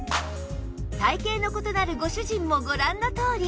体形の異なるご主人もご覧のとおり